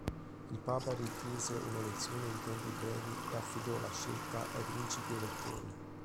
Il papa richiese un'elezione in tempi brevi e affidò la scelta ai principi elettori.